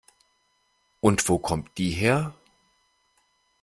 Und wo kommt die her?